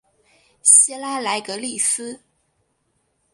希拉莱格利斯。